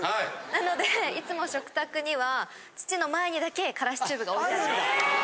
なのでいつも食卓には父の前にだけからしチューブがおいてあるんですよ。あっ！